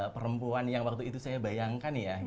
perempuan yang waktu itu saya bayangkan ya